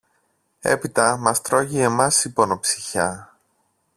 Έπειτα μας τρώγει εμάς η πονοψυχιά!